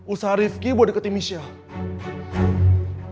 usaha rifki buat deketin michelle